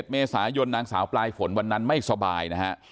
เมษายนนางสาวปลายฝนวันนั้นไม่สบายนะฮะ